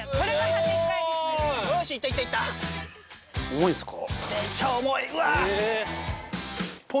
重いっすか？